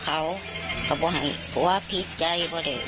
เพราะไม่เคยถามลูกสาวนะว่าไปทำธุรกิจแบบไหนอะไรยังไง